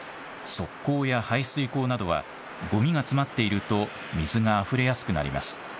側溝や排水溝などはごみが詰まっていると水があふれやすくなります。